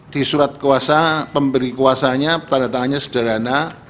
di surat kuasa pemberi kuasanya tandatangannya sederhana